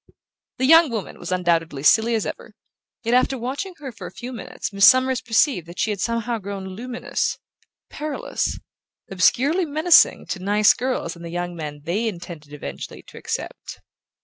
The young woman was undoubtedly as silly as ever; yet after watching her for a few minutes Miss Summers perceived that she had somehow grown luminous, perilous, obscurely menacing to nice girls and the young men they intended eventually to accept.